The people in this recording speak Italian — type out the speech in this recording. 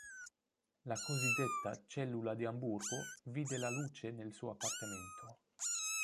La cosiddetta Cellula di Amburgo vide la luce nel suo appartamento.